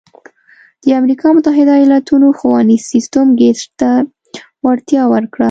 د امریکا متحده ایالتونو ښوونیز سیستم ګېټس ته وړتیا ورکړه.